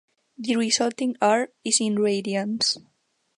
The Resulting "R" is in radians.